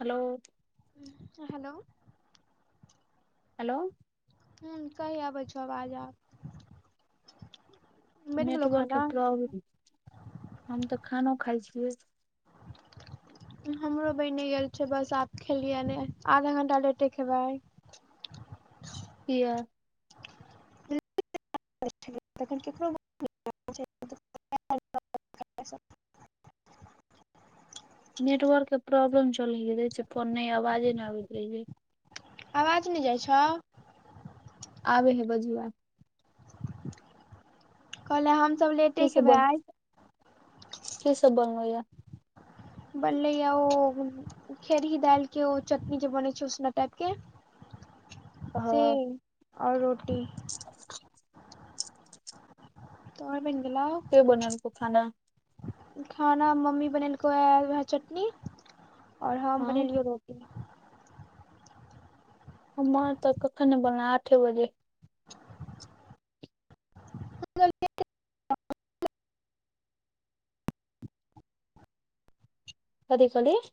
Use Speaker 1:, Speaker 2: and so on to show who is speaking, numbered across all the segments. Speaker 1: Hello.
Speaker 2: Hello.
Speaker 1: Hello.
Speaker 2: हुं कही आबै छो आवाज आब। बनि गेलौ
Speaker 1: नेटवर्क
Speaker 2: खाना
Speaker 1: के प्रॉब हम तऽ खानो खाय छियै।
Speaker 2: [inaudible] हमरो बैन गेल छै बस आब खेलियै ने आधा घंटा लेटे खेबै आय।
Speaker 1: किया।
Speaker 2: तखन केकरो [unintelligible]
Speaker 1: नेटवर्क के प्रॉब्लम चलैया, दै छिये फोन नै आवाजे नै आबैत रहैया।
Speaker 2: आवाज नै जाय छो।
Speaker 1: आबै हे बजुआ।
Speaker 2: कहलौ हम सब
Speaker 1: की
Speaker 2: लेटे
Speaker 1: सब
Speaker 2: खेबै
Speaker 1: बन
Speaker 2: आय।
Speaker 1: की सब बनलौ या।
Speaker 2: बनलैया उ खेड़ी दाएल के ओ चटनी जे बनै छो उसना टाइप के से
Speaker 1: हँ
Speaker 2: और रोटी।
Speaker 1: [inaudible]
Speaker 2: तोहर बैन गेलौ।
Speaker 1: के बनैलको खाना।
Speaker 2: खाना मम्मी बनेलको या वाएह चटनी और हम
Speaker 1: हँ
Speaker 2: बनेलियो रो टी।
Speaker 1: हमर तऽ कखन ने बनलै आठे बजे। कथी कहलियै।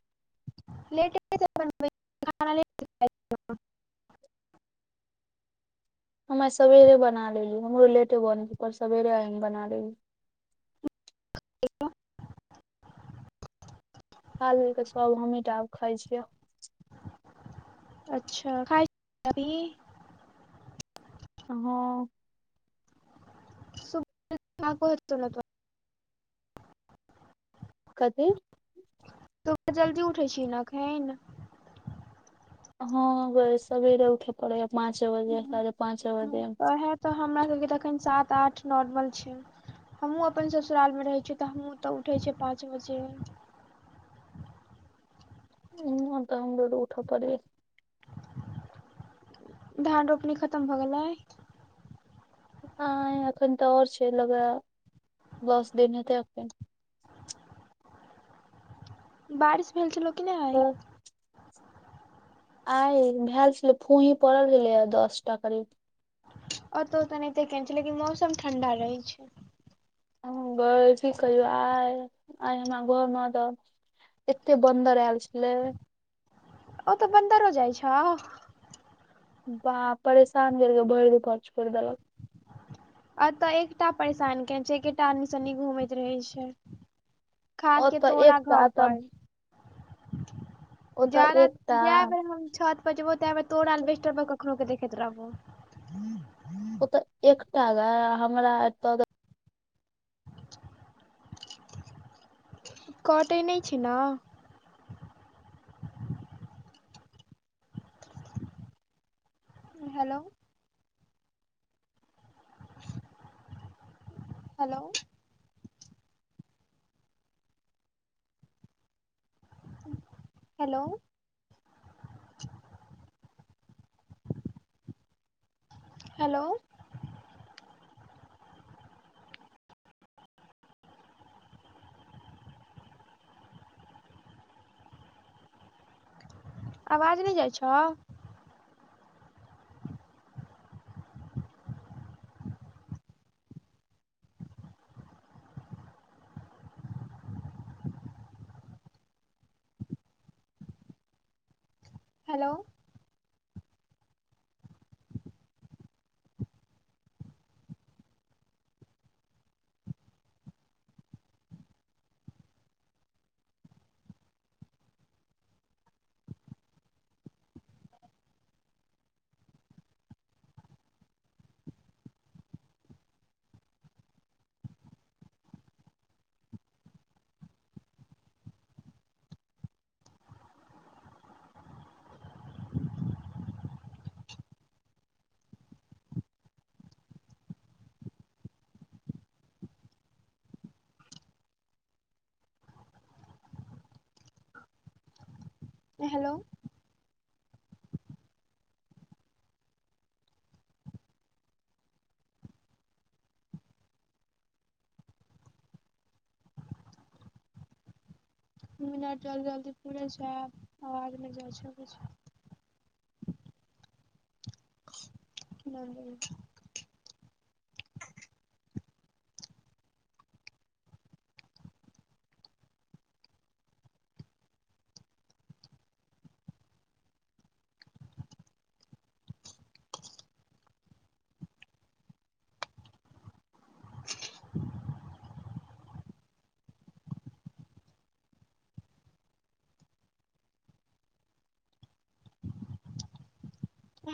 Speaker 2: लेटे से [inaudible] खाना लेट के खाई छियै।
Speaker 1: हम आइ सवेरे बना लेलीय, हमरो लेटे बने पर सवेरे आय बना लेलीयऽ।
Speaker 2: एक [inaudible]
Speaker 1: खा लेलके सब, हमही टा आब खाइ छियै।
Speaker 2: अच्छा! खाय छी अभी।
Speaker 1: हँ।
Speaker 2: [inaudible]
Speaker 1: कथी।
Speaker 2: तुह जल्दी उठै छीही नऽ एखन।
Speaker 1: हँ गई सबेरे उठे पड़ै याऽ, पाँचे बजे साढ़े पाँचे बजे।
Speaker 2: ओहे तऽ हमरा सबके तऽ अखन सात आठ नॉर्मल छै। हमहूँ अपन ससुराल मे रहै छीयै, तऽ हमूँ तऽ ओतऽ उठे छियै पाँच बजे।
Speaker 1: ह तऽ हमरो उठऽ पड़ैया।
Speaker 2: धान रोपनी खतम भऽ गेलै।
Speaker 1: ह एखन तऽ ओर छै लगेया दस दिन हेतै एखन।
Speaker 2: बारिश भेल छलो कि नै?
Speaker 1: आइ भेल छलै फूही पड़ल छलै हऽ दस टा करिब।
Speaker 2: ओतौ तऽ एनहिते केने छै लेकिन मौसम ठंडा रहै छै।
Speaker 1: हम गई की कहियो आइ, आइ हमरा घर मे तऽ। एते बन्दर एल छलै।
Speaker 2: ओ तऽ बन्दरो जाइ छोउ।
Speaker 1: बाह परेशान कैरके भरि दुपहर छोइर देलक।
Speaker 2: एतय एकटा परेशान के छै, किटाणु सने घूमैत रहे छै। खाद के
Speaker 1: ओतऽ
Speaker 2: तोड़ा घर
Speaker 1: एकटा तऽ
Speaker 2: पर।
Speaker 1: ओतऽ
Speaker 2: जादा
Speaker 1: एकटा
Speaker 2: जायबेर हम छत पहुंचबो तै बेर तोरा एलबेसट पर कखनो के देखैत रहबो।
Speaker 1: ओ तऽ एकटा गाय हमरा एतऽ
Speaker 2: कऽटै ने छै ने। हेलो। हेलो। हेलो। हेलो। आवाज नै जाइ छौ? हेलो। हेलो। दू मिनट चऽल जौ कि पूरा साफ आवाज नै जाइ छौ। केना दैऽन।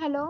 Speaker 2: हेलो।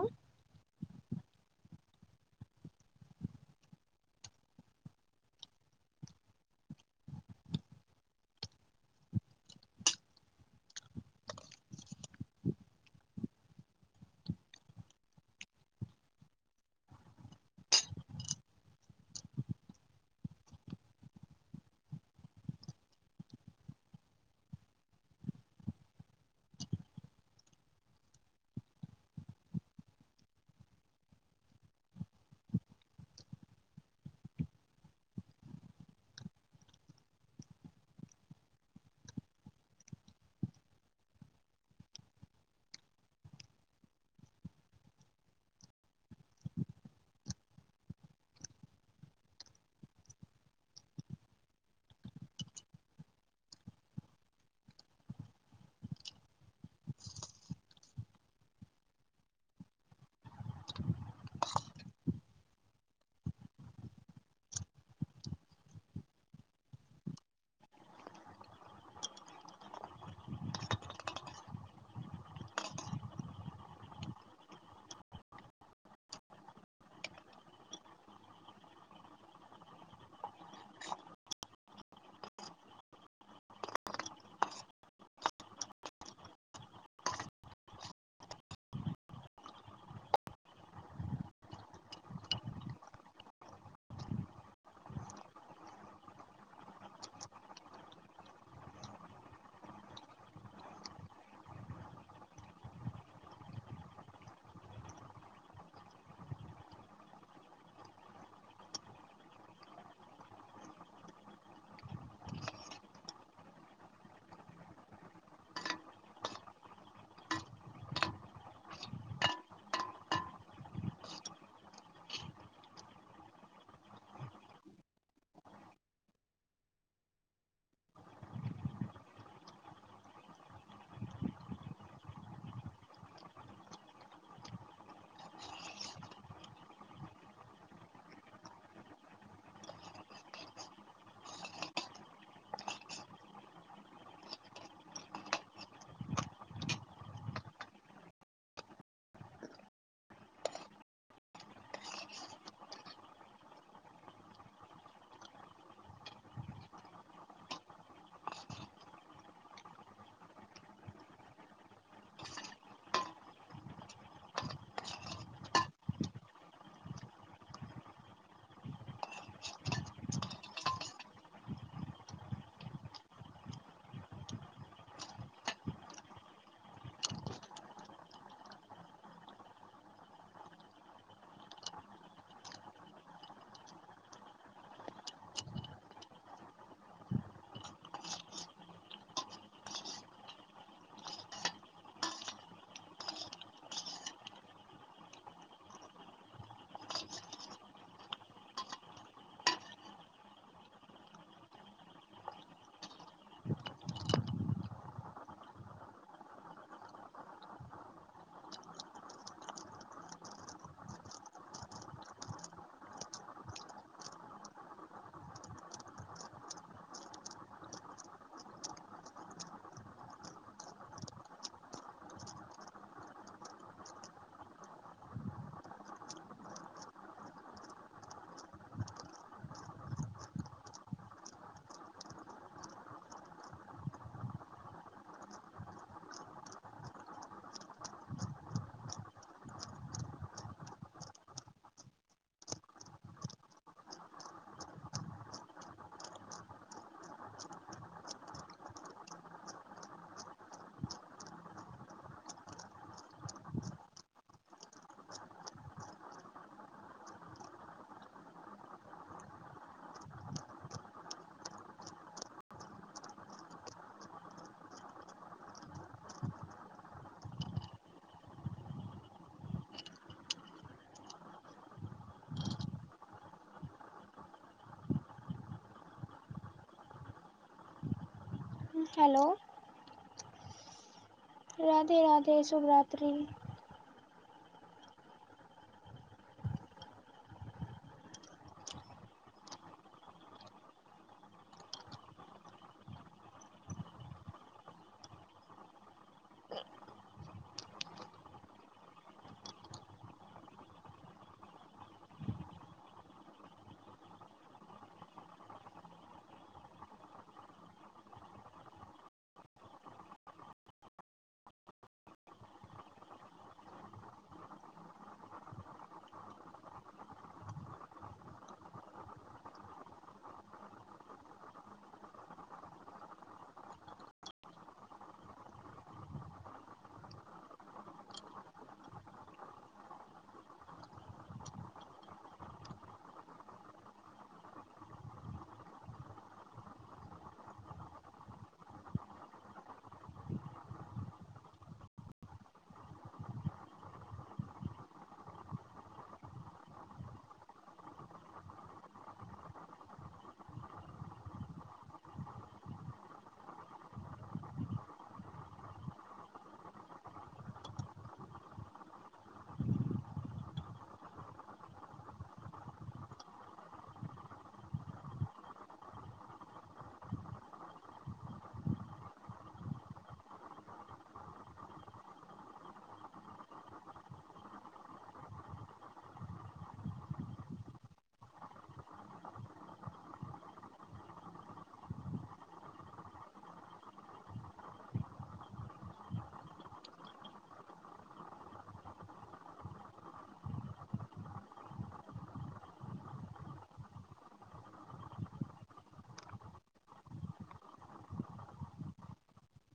Speaker 2: हेलो। राधे -राधे शुभरात्रि।